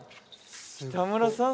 北村さん